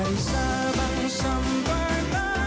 indonesia tanah airku